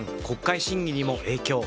国会審議にも影響。